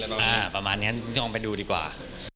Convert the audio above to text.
อ่าประมาณเนี้ยนี่ต้องไปดูดีกว่า